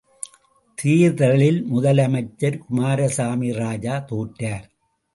தேர்தலில் முதலமைச்சர் குமாரசாமி ராஜா தோற்றார்.